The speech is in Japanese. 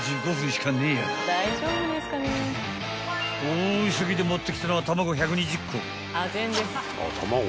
［大急ぎで持ってきたのは卵１２０個！］